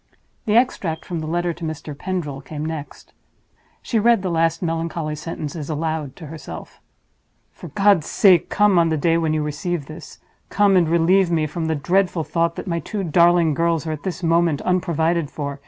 The extract from the letter to Mr. Pendril came next. She read the last melancholy sentences aloud to herself: "For God's sake come on the day when you receive this—come and relieve me from the dreadful thought that my two darling girls are at this moment unprovided for.